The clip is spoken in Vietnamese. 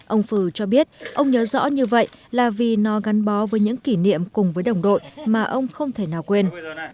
ông phừ cho biết ông nhớ rõ như vậy là vì nó gắn bó với những kỷ niệm cùng với đồng đội mà ông không thể nào quên